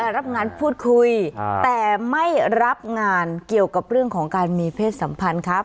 รับงานพูดคุยแต่ไม่รับงานเกี่ยวกับเรื่องของการมีเพศสัมพันธ์ครับ